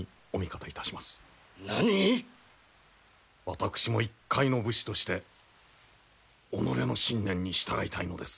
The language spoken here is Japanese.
私も一介の武士として己の信念に従いたいのです。